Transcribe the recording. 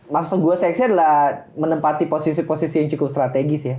maksud gue seksi adalah menempati posisi posisi yang cukup strategis ya